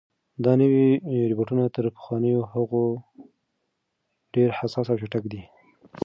دا نوي روبوټونه تر پخوانیو هغو ډېر حساس او چټک دي.